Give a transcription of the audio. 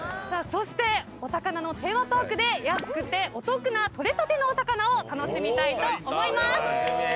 さあそしてお魚のテーマパークで安くてお得な取れたてのお魚を楽しみたいと思います！